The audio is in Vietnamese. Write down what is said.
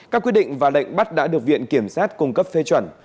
các quyết định và lệnh bắt đã được viện kiểm sát cung cấp phê chuẩn